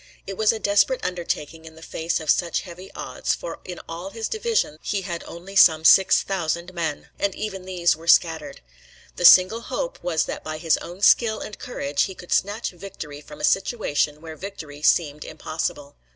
It was a desperate undertaking in the face of such heavy odds, for in all his divisions he had only some six thousand men, and even these were scattered. The single hope was that by his own skill and courage he could snatch victory from a situation where victory seemed impossible.